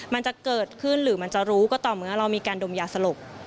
มันจะเกิดขึ้นหรือมันจะรู้ก็ต่อเมื่อเรามีการดมยาสลบ